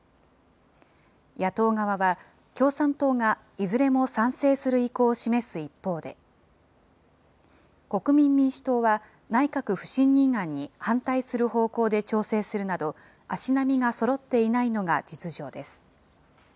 野党側は、共産党がいずれも賛成する意向を示す一方で、国民民主党は、内閣不信任案に反対する方向で調整するなど、足並みがそろっていないのが実情です。